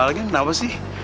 lagi kenapa sih